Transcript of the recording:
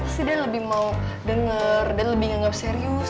pasti dia lebih mau denger dan lebih nganggep serius